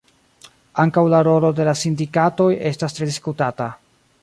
Ankaŭ la rolo de la sindikatoj estas tre diskutata.